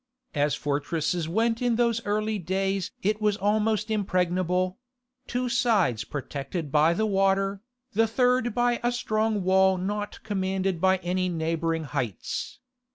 As fortresses went in those early days it was almost impregnable—two sides protected by the water, the third by a strong wall not commanded by any neighbouring heights.